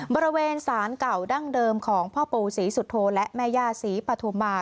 บริเวณสารเก่าดั้งเดิมของพ่อปู่ศรีสุโธและแม่ย่าศรีปฐุมา